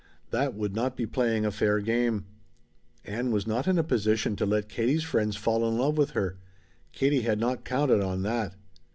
That would not be playing a fair game. Ann was not in position to let Katie's friends fall in love with her. Katie had not counted on that.